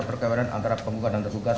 perkawinan antara penggugat dan tergugat